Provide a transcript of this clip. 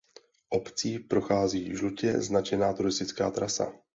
Obcí prochází žlutě značená turistická trasa.